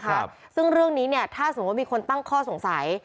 ครับซึ่งเรื่องนี้เนี่ยถ้าสมมุติมีคนตั้งข้อสงสัย